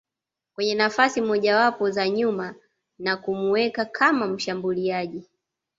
kwenye nafasi mojawapo za nyuma na kumuweka kama mshambuliaji